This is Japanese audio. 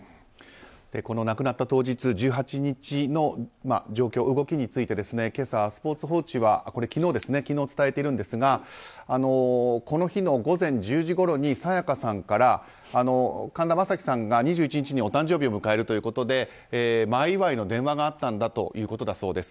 この亡くなった当日１８日の状況、動きについてスポーツ報知は昨日伝えているんですがこの日の午前１０時ごろに沙也加さんから神田正輝さんが２１日にお誕生日を迎えるということで前祝いの電話があったんだということだそうです。